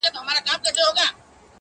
پردي توپونه به غړومبېږي د قیامت تر ورځي-